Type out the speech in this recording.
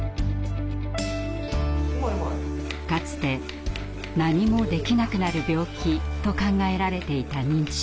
かつて「何もできなくなる病気」と考えられていた認知症。